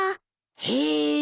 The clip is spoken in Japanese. へえ。